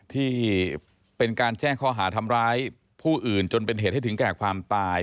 ที่เป็นการแจ้งข้อหาทำร้ายผู้อื่นจนเป็นเหตุให้ถึงแก่ความตาย